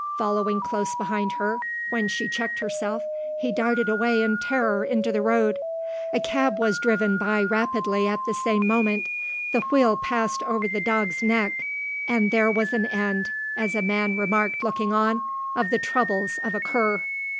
Following close behind her, when she checked herself, he darted away in terror into the road. A cab was driven by rapidly at the same moment. The wheel passed over the dog's neck. And there was an end, as a man remarked looking on, of the troubles of a cur.